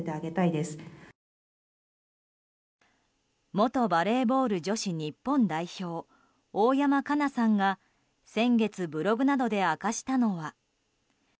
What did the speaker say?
元バレーボール女子日本代表大山加奈さんが先月ブログなどで明かしたのは。